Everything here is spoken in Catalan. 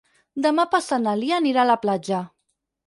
Demà passat na Lia anirà a la platja.